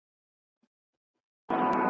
که زندان که پنجره وه نس یې موړ وو .